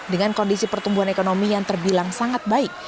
dengan kondisi pertumbuhan ekonomi yang terbilang sangat baik